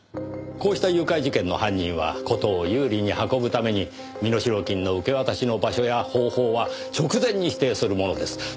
こうした誘拐事件の犯人は事を有利に運ぶために身代金の受け渡しの場所や方法は直前に指定するものです。